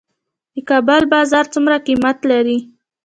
د کابل بازان څومره قیمت لري؟